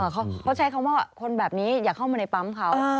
เขาใช้คำว่าคนแบบนี้อย่าเข้ามาในปั๊มเขา